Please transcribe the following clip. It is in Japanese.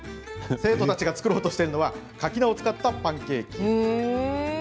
生徒たちが作ろうとしているのはかき菜を使ったパンケーキ。